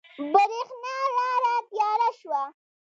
برېښنا لاړه تیاره شوه